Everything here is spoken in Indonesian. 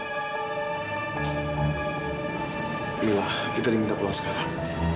inilah kita diminta pulang sekarang